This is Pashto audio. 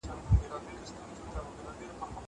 انځورونه رسم کړه!